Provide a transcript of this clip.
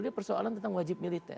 ini persoalan tentang wajib militer